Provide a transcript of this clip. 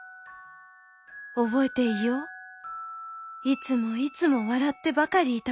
「覚えていよう？いつもいつも笑ってばかりいたことを。